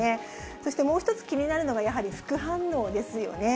そしてもう一つ気になるのが、やはり副反応ですよね。